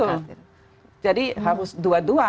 betul jadi harus dua dua